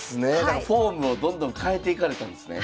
だからフォームをどんどん変えていかれたんですね。